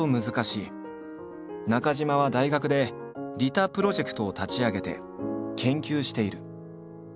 中島は大学で「利他プロジェクト」を立ち上げて研究している。